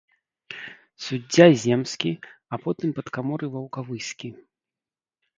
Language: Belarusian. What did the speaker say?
Суддзя земскі, а потым падкаморы ваўкавыскі.